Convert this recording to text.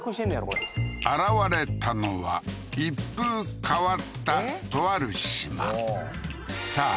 これ現れたのは一風変わったとある島さあ